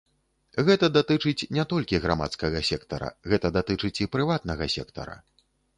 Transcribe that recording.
Гэта датычыць не толькі грамадскага сектара, гэта датычыць і прыватнага сектара.